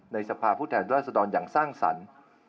ในสภาพูดแทนราศดรรย์อย่างสร้างสรรค์